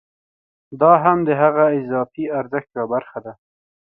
دا هم د هغه اضافي ارزښت یوه برخه ده